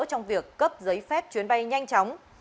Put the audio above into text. trong việc cấp giấy phép chuyến bay nhanh chóng